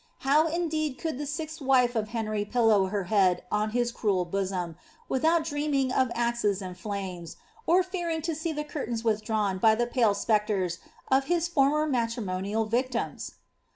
ow indeed could the sixth wife of Henry pillow her head on his cruel worn, without dreaming of axes and flames, or fearing to see the cur ins withdrawn by the pale spectres of his former matrimonial victims?